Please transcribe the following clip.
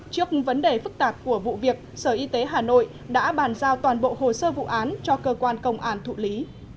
trước vấn đề phức tạp của vụ việc sở y tế hà nội đã bàn giao toàn bộ hồ sơ vụ án cho cơ quan công an thụ lý